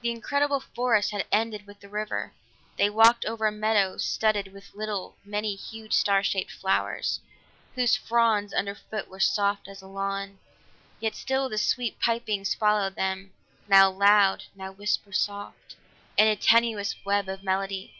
The incredible forest had ended with the river; they walked over a meadow studded with little, many hued, star shaped flowers, whose fronds underfoot were soft as a lawn. Yet still the sweet pipings followed them, now loud, now whisper soft, in a tenuous web of melody.